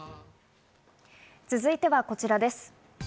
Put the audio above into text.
続いてはこちらです。